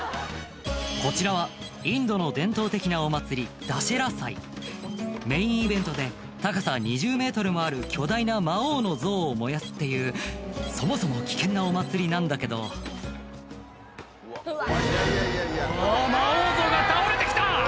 こちらはインドの伝統的なお祭りダシェラ祭メインイベントで高さ２０ｍもある巨大な魔王の像を燃やすっていうそもそも危険なお祭りなんだけどあぁ魔王像が倒れて来た！